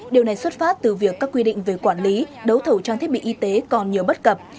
điều này xuất phát từ việc các quy định về quản lý đấu thầu trang thiết bị y tế còn nhiều bất cập